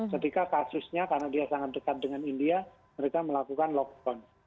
ketika kasusnya karena dia sangat dekat dengan india mereka melakukan lockdown